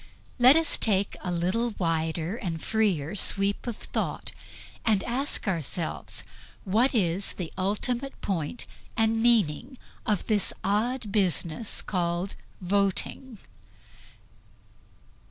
Let us take a little wider and freer sweep of thought and ask ourselves what is the ultimate point and meaning of this odd business called voting.